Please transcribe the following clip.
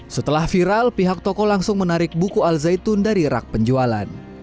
setelah viral pihak toko langsung menarik buku al zaitun dari rak penjualan